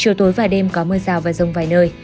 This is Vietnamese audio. chiều tối và đêm có mưa rào và rông vài nơi